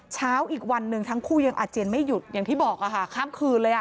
เช้าอีกวันหนึ่งทั้งคู่ยังอาเจียนไม่หยุดอย่างที่บอกค่ะข้ามคืนเลยอ่ะ